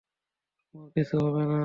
তোমার কিছু হবে না!